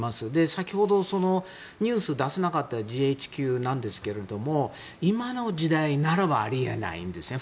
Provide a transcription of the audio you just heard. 先ほど、ニュースを出さなかったＧＨＱなんですけど今の時代ならばあり得ないんですね。